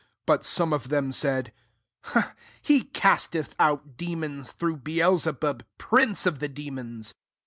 IS But some o£ them; said) He casteth out deraona through Beelsebub, pnnceoftbedemona."